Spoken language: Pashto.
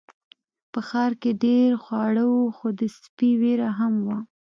په ښار کې ډیر خواړه وو خو د سپي ویره هم وه.